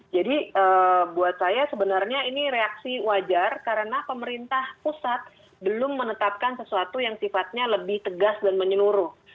jadi buat saya sebenarnya ini reaksi wajar karena pemerintah pusat belum menetapkan sesuatu yang sifatnya lebih tegas dan menyenuruh